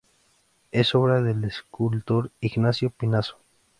Es obra del escultor Ignacio Pinazo.